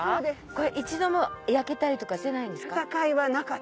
これ一度も焼けたりとかしてないんですか？